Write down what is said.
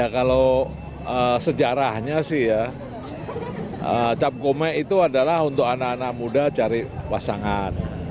kalau sejarahnya sih ya cap gome itu adalah untuk anak anak muda cari pasangan